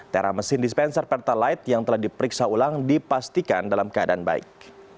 tera mesin dispenser pertalite yang telah diperiksa ulang dipastikan dalam keadaan baik